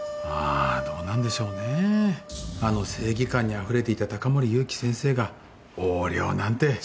あぁどうなんでしょうねあの正義感にあふれていた高森勇気先生が横領なんて。